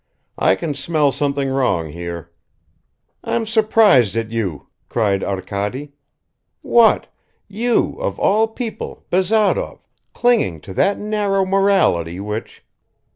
"I can smell something wrong here." "I'm surprised at you," cried Arkady. "What? You, of all people, Bazarov, clinging to that narrow morality which